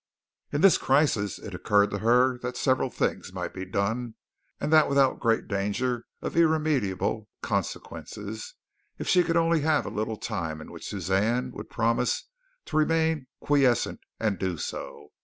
In this crisis it occurred to her that several things might be done and that without great danger of irremediable consequences if she could only have a little time in which Suzanne would promise to remain quiescent and do so.